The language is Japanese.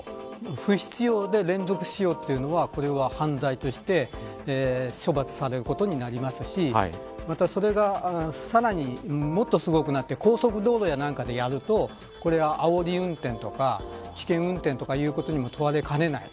不必要で連続使用というのは犯罪として処罰されることになりますしまた、それが、さらにもっとすごくなって高速道路やなんかでやるとあおり運転とか危険運転とかいうことにも問われかねない。